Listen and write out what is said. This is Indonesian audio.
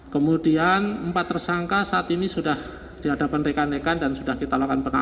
kemudian empat tersangka saat ini sudah dihadapan rekan rekan dan sudah kita lakukan pengawasan